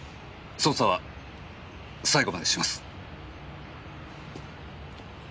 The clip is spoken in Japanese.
捜査は最後までします。